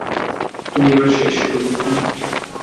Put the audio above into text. তুমি এবার শেষ, রোবটনিক!